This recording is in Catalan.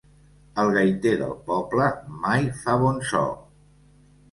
El gaiter del poble mai fa bon so.